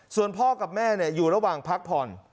ส่วนพ่อกับแม่อยู่ระหว่างพักผ่อน